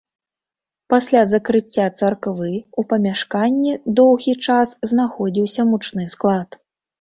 Пасля закрыцця царквы ў памяшканні доўгі час знаходзіўся мучны склад.